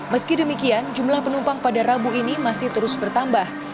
meski demikian jumlah penumpang pada rabu ini masih terus bertambah